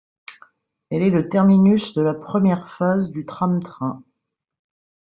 Elle est le terminus de la première phase du tram-train.